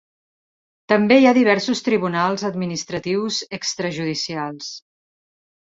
També hi ha diversos tribunals administratius extrajudicials.